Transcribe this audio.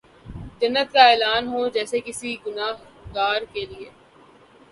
جنت کا اعلان ہو جیسے کسی گناہ گار کیلئے